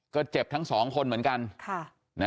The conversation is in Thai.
ก็เจ็บทั้งสองคนเหมือนกัน